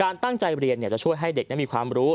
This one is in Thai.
ตั้งใจเรียนจะช่วยให้เด็กนั้นมีความรู้